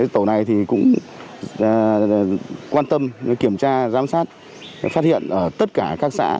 tổ này cũng quan tâm kiểm tra giám sát phát hiện ở tất cả các xã